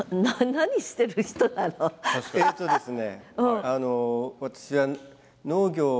えとですね